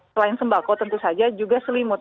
selain sembako tentu saja juga selimut